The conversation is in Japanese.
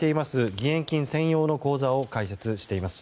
義援金専用の口座を開設しています。